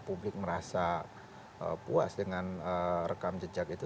publik merasa puas dengan rekam jejak itu